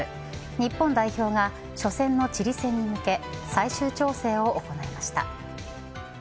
日本代表が初戦のチリ戦に向け最終調整を行いました。